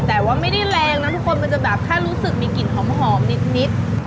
แต่ว่าไม่ได้แรงนะทุกคนมันจะแบบแค่รู้สึกมีกลิ่นหอมนิด